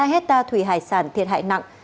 một mươi hai hecta thủy hải sản thiệt hại nặng